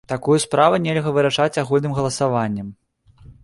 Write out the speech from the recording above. Такую справу нельга вырашаць агульным галасаваннем.